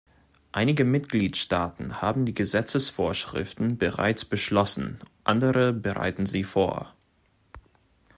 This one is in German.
Einige Mitgliedstaaten haben die Gesetzesvorschriften bereits beschlossen, andere bereiten sie vor.